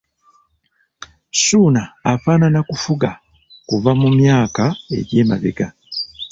Ssuuna afaanana kufuga kuva mu myaka egy'emabega.